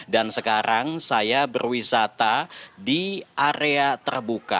dan sekarang saya berwisata di area terbuka